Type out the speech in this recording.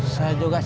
saya juga siap kang